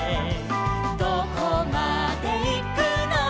「どこまでいくのか」